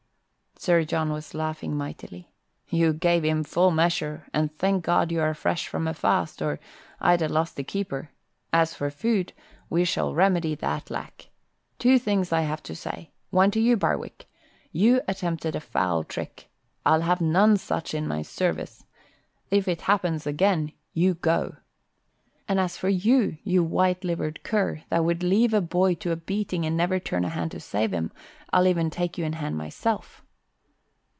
Sir John was laughing mightily. "You gave him full measure, and thank God you are fresh from a fast or I'd ha' lost a keeper. As for food, we shall remedy that lack. Two things I have to say: one to you, Barwick. You attempted a foul trick. I'll have none such in my service. If it happens again, you go. And as for you, you white livered cur, that would leave a boy to a beating and never turn a hand to save him, I'll even take you in hand myself."